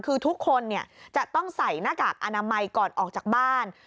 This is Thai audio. คือทุกคนจะต้องใส่หน้ากากอนามัยก่อนออกจากบ้าน